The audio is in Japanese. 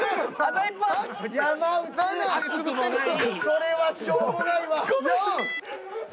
それはしょうもないわ。